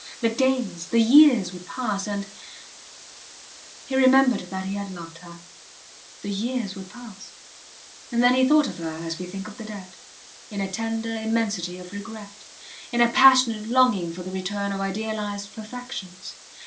The days, the years would pass, and ... He remembered that he had loved her. The years would pass ... And then he thought of her as we think of the dead in a tender immensity of regret, in a passionate longing for the return of idealized perfections.